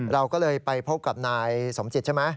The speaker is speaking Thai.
เราก็เลยไปพบกับนายสมจิตใช่ไหม